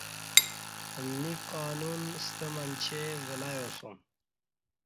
امنی قانون ستہ منچے ولیاسوم